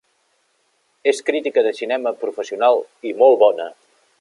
És crítica de cinema professional, i molt bona.